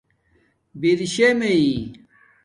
برشےمئ